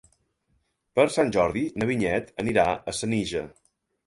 Per Sant Jordi na Vinyet anirà a Senija.